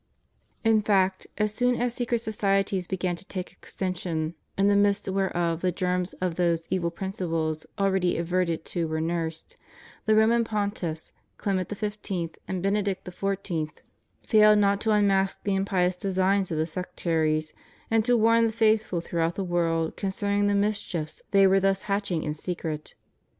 In fact, as soon as secret societies began to take extension, in the midst whereof the germs of those evil principles already adverted to were nursed, the Roman Pontiffs Clement XV. and Bene dict XIV. failed not to unmask the impious designs of the sectaries, and to warn the faithful throughout the world concerning the mischiefs they were thus hatching in secret.